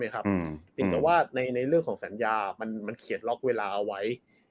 แต่ในเรื่องสัญญามันเขียนล็อคเวลาไหว